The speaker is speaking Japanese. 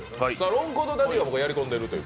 ロングコートダディはやりこんでいるという。